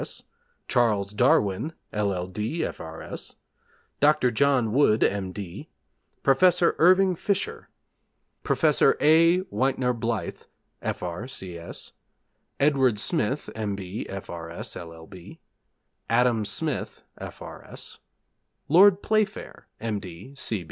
S. Charles Darwin, LL.D., F.R.S. Dr. John Wood, M.D. Professor Irving Fisher Professor A. Wynter Blyth, F.R.C.S. Edward Smith, M.B., F.R.S., LL.B. Adam Smith, F.R.S. Lord Playfair, M.